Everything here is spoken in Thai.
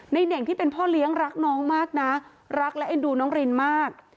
เน่งที่เป็นพ่อเลี้ยงรักน้องมากนะรักและเอ็นดูน้องรินมาก